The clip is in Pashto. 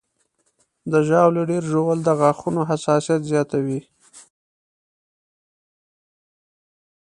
د ژاولې ډېر ژوول د غاښونو حساسیت زیاتوي.